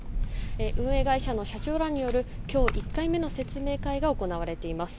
運営会社の社長らによる今日１回目の説明会が行われています。